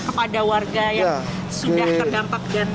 kepada warga yang sudah terdampak